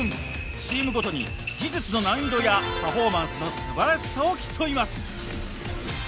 チームごとに技術の難易度やパフォーマンスのすばらしさを競います。